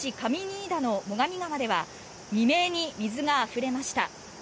新井田の最上川では未明に水があふれました。